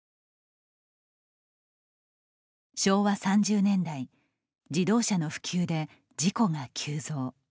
昭和３０年代自動車の普及で事故が急増。